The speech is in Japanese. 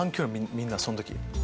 みんなその時。